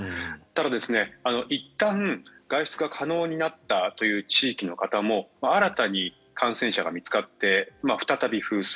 ただ、いったん外出が可能になったという地域の方も新たに感染者が見つかって再び封鎖。